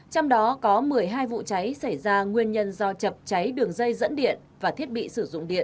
trong đó có một mươi hai vụ cháy xảy ra nguyên nhân do chập cháy đường dây dẫn điện và thiết bị sử dụng điện